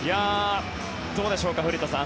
どうでしょうか、古田さん。